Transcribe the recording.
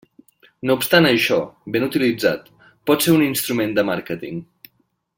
No obstant això, ben utilitzat, pot ser un instrument de màrqueting.